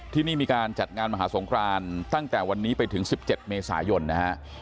ที่นี่มีการจัดงานมหาสงครานตั้งแต่วันนี้ไปถึง๑๗เมษายนนะฮะ